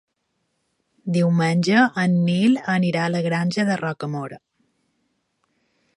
Diumenge en Nil anirà a la Granja de Rocamora.